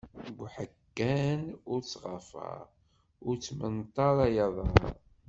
Ded uḥeggan ur ttɣafaṛ, ur ttmenṭaṛ ay aḍaṛ!